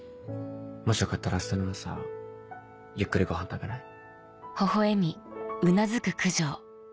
もしよかったら明日の朝ゆっくりご飯食べない？